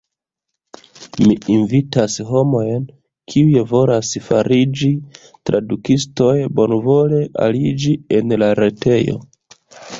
Mi invitas homojn kiuj volas fariĝi tradukistoj bonvole aliĝi en la retejo.